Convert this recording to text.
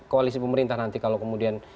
koalisi pemerintah nanti kalau kemudian